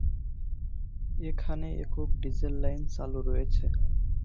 এখানে একক diesel line চালু রয়েছে।